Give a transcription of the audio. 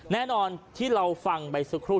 แน่นอนที่เราฟังไปสักครู่